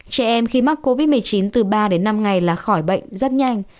trẻ em khi mắc covid một mươi chín từ ba đến năm ngày là khỏi bệnh rất nhanh